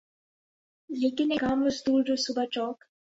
لیکن ایک عام مزدور جو صبح چوک